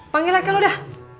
panggil aja lo dah